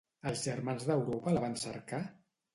Els germans d'Europa la van cercar?